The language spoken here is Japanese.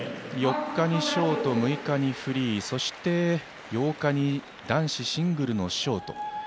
４日にショート、６日にフリーそして８日に男子シングルのショート。